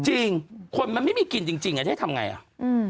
จริงคนมันไม่มีกลิ่นจริงอ่ะจะทำอย่างไรอ่ะ